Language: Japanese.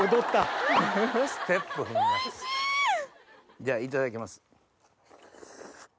じゃあいただきます。